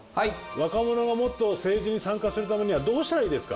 若者がもっと政治に参加するためにはどうしたらいいですか？